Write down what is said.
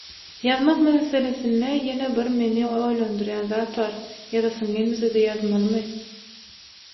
Ýazmak meselesinde ýene bir meni oýlandyrýan zat bar – ýazasyň gelmesede ýazmalymy?